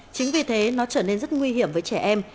chính vì thế nó trở nên rất nguy hiểm với trẻ em